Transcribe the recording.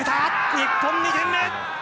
日本、２点目。